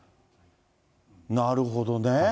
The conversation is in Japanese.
なるほどね。